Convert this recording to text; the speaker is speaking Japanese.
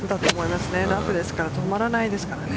ラフですから止まらないですからね。